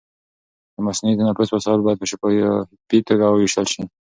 د مصنوعي تنفس وسایل باید په شفافي توګه وویشل شي.